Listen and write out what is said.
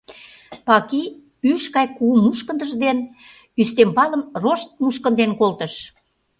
Паки ӱш гай кугу мушкындыж дене ӱстембалым рошт мушкынден колтыш.